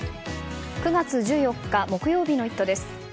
９月１４日、木曜日の「イット！」です。